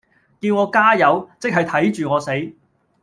叫我加油，即係睇住我死